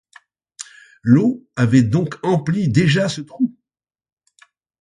L'eau avait donc empli déjà ce trou?